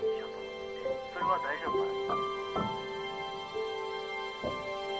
「それは大丈夫かな」